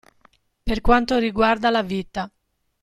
Per quanto riguarda la vita.